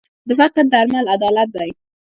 د فقر درمل عدالت دی.